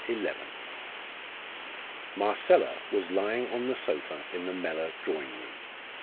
CHAPTER XI. Marcella was lying on the sofa in the Mellor drawing room.